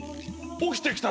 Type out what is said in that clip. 起きてきた！